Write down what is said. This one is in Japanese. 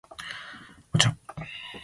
お茶